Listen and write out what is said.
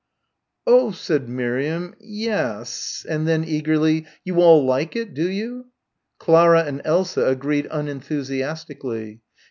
"Oh," said Miriam, "yes ..." and then eagerly, "you all like it, do you?" Clara and Elsa agreed unenthusiastically.